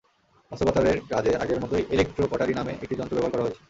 অস্ত্রোপচারের কাজে আগের মতোই ইলেকট্রো কটারি নামের একটি যন্ত্র ব্যবহার করা হয়েছে।